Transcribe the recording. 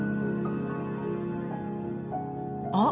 あっ！